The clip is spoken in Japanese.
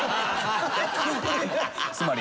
つまり。